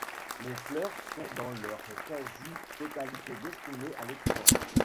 Les fleurs sont dans leur quasi-totalité destinées à l'export.